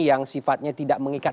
yang sifatnya tidak mengikat